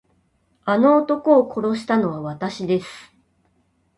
あの男を殺したのはわたしです。